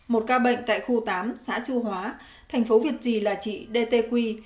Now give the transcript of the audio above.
một ca bệnh tại khu tám xã chu hóa thành phố việt trì là chị đê tê quy